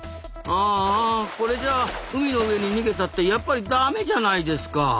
ああこれじゃあ海の上に逃げたってやっぱりダメじゃないですか。